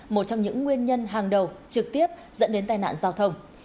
một trong những nguyên nhân hàng đầu trực tiếp dẫn đến tai nạn giao thông